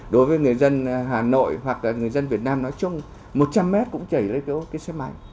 đối với người dân hà nội hoặc là người dân việt nam nói chung một trăm linh mét cũng chảy ra cái xe máy